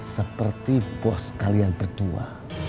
seperti bos kalian berdua